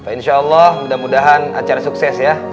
insya allah mudah mudahan acara sukses ya